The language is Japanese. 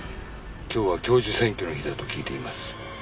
今日は教授選挙の日だと聞いています。